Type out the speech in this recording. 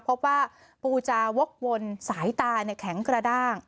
พบว่าปูจาวกวนสายตาแข็งกระด้าง